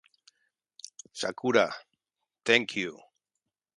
Sakura Thank You